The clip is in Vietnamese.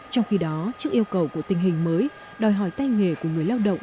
trong khi đó trước yêu cầu của tình hình mới đòi hỏi tay nghề của người lao động